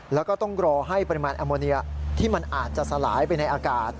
แล้วก็ต้องรอให้ปริมาณแอลโมเนียที่มันอาจจะสลายไปในอากาศ